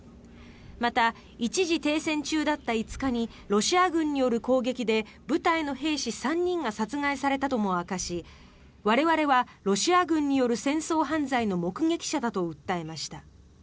また、一時停戦中だった５日にロシア軍による攻撃で部隊の兵士３人が殺害されたとも証し我々はロシア軍による戦争犯罪の目撃者だと訴えました。